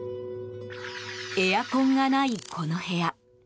エアコンがない、この部屋。